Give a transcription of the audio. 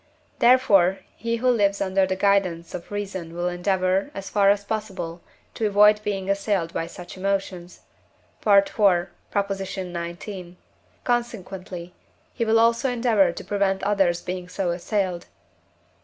therefore he who lives under the guidance of reason will endeavour, as far as possible, to avoid being assailed by such emotions (IV. xix.); consequently, he will also endeavour to prevent others being so assailed (IV.